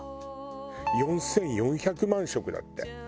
４４００万食だって。